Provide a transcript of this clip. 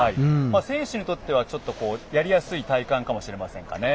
選手にとってはやりやすい体感かもしれませんかね。